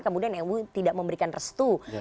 kemudian mui tidak memberikan restu